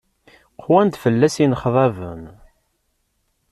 Qwan-d fell-as yinexḍaben.